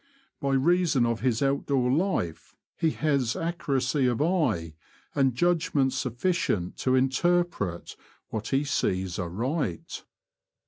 By reason of his out door life he has accuracy of eye and judgment suf ficient to interpret what he sees aright.